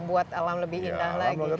buat alam lebih indah lagi